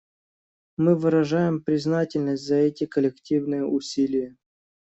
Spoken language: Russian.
Мы выражаем признательность за эти коллективные усилия.